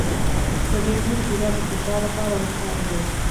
د لیمو شیره د فشار لپاره وکاروئ